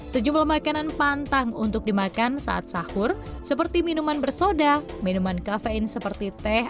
sejumlah makanan pantang untuk dimakan saat sahur seperti minuman bersoda minuman kafein seperti teh